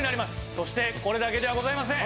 そしてこれだけではございません。